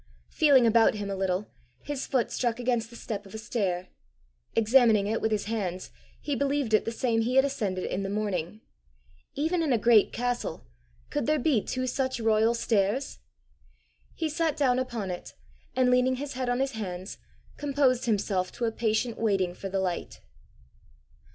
Feeling about him a little, his foot struck against the step of a stair. Examining it with his hands, he believed it the same he had ascended in the morning: even in a great castle, could there be two such royal stairs? He sat down upon it, and leaning his head on his hands, composed himself to a patient waiting for the light.